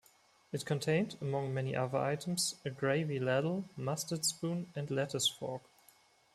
It contained, among many other items, a gravy ladle, mustard spoon and lettuce fork.